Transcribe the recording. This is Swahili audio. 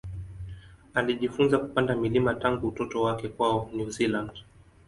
Alijifunza kupanda milima tangu utoto wake kwao New Zealand.